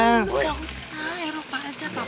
enggak usah eropa aja papa